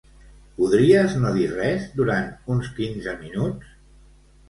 Podries no dir res durant uns quinze minuts?